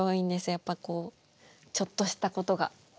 やっぱこうちょっとしたことが。